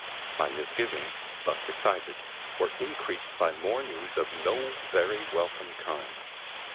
My misgivings, thus excited, were increased by more news of no very welcome kind.